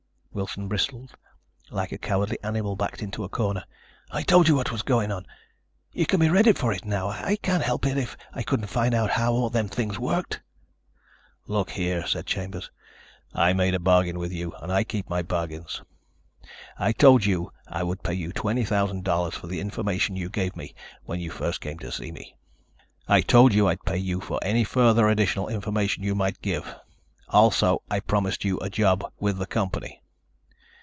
Wilson bristled, like a cowardly animal backed into a corner. "I told you what was going on. You can be ready for it now. I can't help it if I couldn't find out how all them things worked." "Look here," said Chambers. "I made a bargain with you and I keep my bargains. I told you I would pay you twenty thousand dollars for the information you gave me when you first came to see me. I told you I'd pay you for any further additional information you might give. Also I promised you a job with the company."